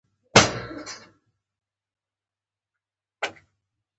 نن ورځ انسانان ماشومان په بېلابېلو ټولنیزو ارزښتونو روزلی شي.